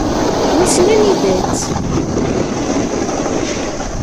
Wissen anida-tt?